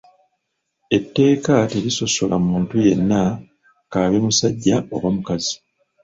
Etteeka terisosola muntu yenna kaabe musajja oba mukazi.